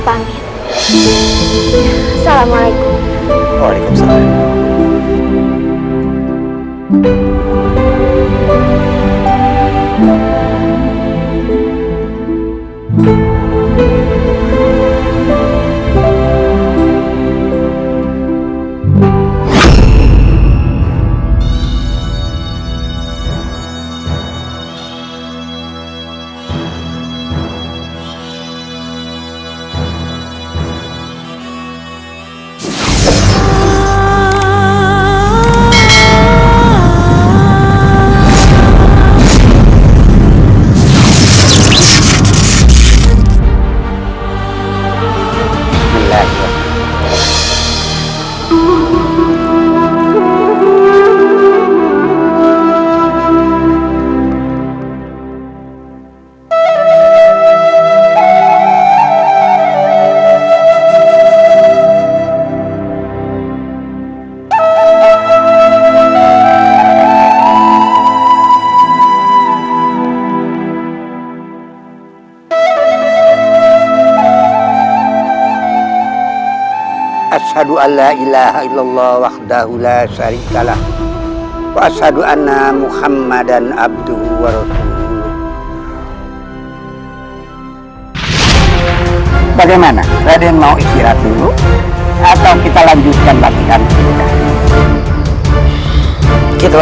assalamualaikum warahmatullahi wabarakatuh